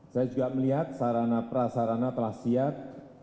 saya juga melihat sarana prasarana telah siap